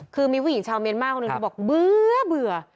คือมีผู้หญิงชาวเมียนมากคนนึงที่บอกเบื่อเบื่อ